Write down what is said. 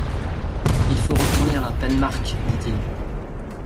Il faut retourner à Penmarckh ! dit-il.